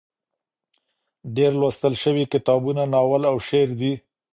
ډېر لوستل شوي کتابونه ناول او شعر دي.